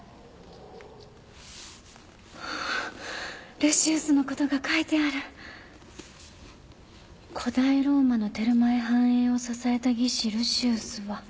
ルシウスのことが書いてある“古代ローマのテルマエ繁栄を支えた技師ルシウスは”